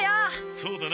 そうだな。